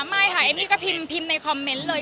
ไม่ค่ะเอมมี่ก็พิมพ์ในคอมเมนต์เลย